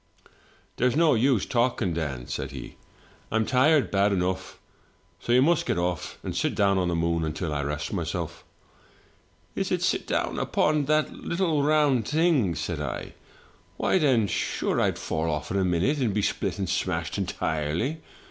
*" There's no use talking, Dan,' said he; 'I'm tired bad enough, so you must get off, and sit down on the moon until I rest myself.' " 'Is it sit down upon that little round thing?' said I. 'Why, then, sure, I'd fall off in a minute and be spilt and smashed entirely.